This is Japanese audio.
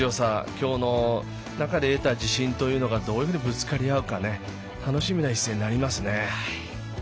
今日の中で得た自身がどういうふうにぶつかり合うか楽しみな一戦になりますね。